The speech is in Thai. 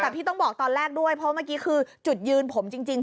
แต่พี่ต้องบอกตอนแรกด้วยเพราะเมื่อกี้คือจุดยืนผมจริง